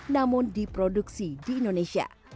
namun diproduksi di indonesia